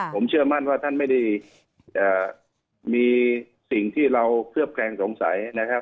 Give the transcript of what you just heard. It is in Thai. ผมเชื่อมั่นว่าท่านไม่ได้มีสิ่งที่เราเคลือบแคลงสงสัยนะครับ